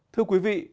thưa quý vị